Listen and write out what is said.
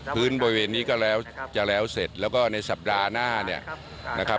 พื้นบริเวณนี้ก็จะแล้วเสร็จแล้วก็ในสัปดาห์หน้า